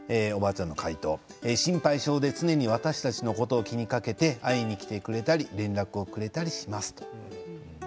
おばあちゃんの回答は心配性で常に私たちのことを気にかけて会いに来てくれたり連絡をくれたりします。